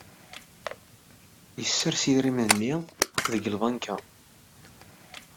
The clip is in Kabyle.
Yessers idrimen-nni deg tbanka.